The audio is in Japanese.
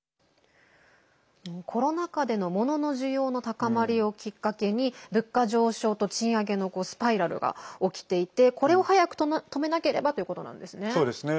コロナ禍でのモノの需要の高まりをきっかけに物価上昇と賃上げのスパイラルが起きていてこれを早く止めなければということなんですね。